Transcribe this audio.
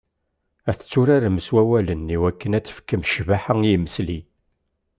Ad tetturarem s wawalen i wakken ad tefkem ccbaḥa i yimesli.